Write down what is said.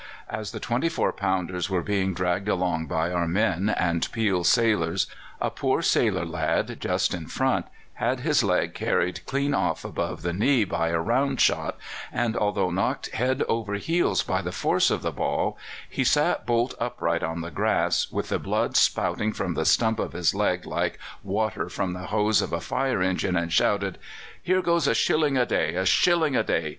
As the 24 pounders were being dragged along by our men and Peel's sailors a poor sailor lad just in front had his leg carried clean off above the knee by a round shot, and although knocked head over heels by the force of the ball, he sat bolt upright on the grass, with the blood spouting from the stump of his limb like water from the hose of a fire engine, and shouted: "'Here goes a shilling a day a shilling a day!